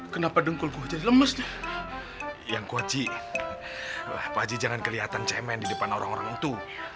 kenapa dengkul gua jadi lemes yang kuat cik wajib jangan kelihatan cemen di depan orang orang itu